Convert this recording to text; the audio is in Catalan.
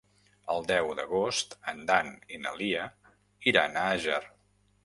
El deu d'agost en Dan i na Lia iran a Àger.